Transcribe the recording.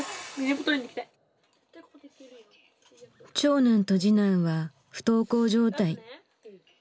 長男と次男は不登校状態。